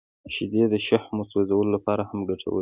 • شیدې د شحمو سوځولو لپاره هم ګټورې دي.